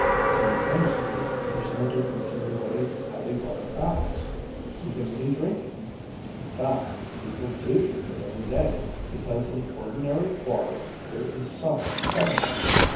In chemistry, there's no difference in the way heavy water acts. You can even drink it. In fact, people do drink it every day, because in ordinary water there is some heavy water.